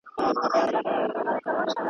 پرون یې بیا له هغه ښاره جنازې وایستې!